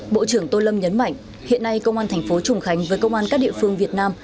bộ trưởng tô lâm nhấn mạnh hiện nay công an thành phố trùng khánh với công an các địa phương việt nam